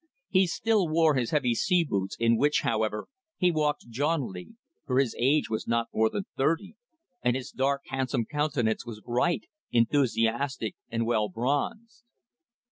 He still wore his heavy sea boots, in which, however, he walked jauntily, for his age was not more than thirty, and his dark, handsome countenance was bright, enthusiastic, and well bronzed.